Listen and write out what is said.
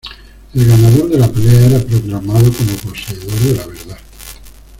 El ganador de la pelea era proclamado como poseedor de la verdad.